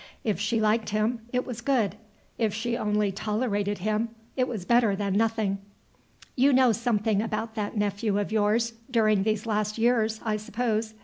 If she liked him, it was good; if she only tolerated him, it was better than nothing. "You know something about that nephew of yours, during these last years, I suppose?"